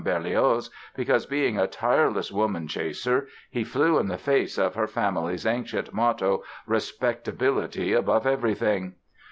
Berlioz because, being a tireless woman chaser, he flew in the face of her family's ancient motto, "respectability above everything".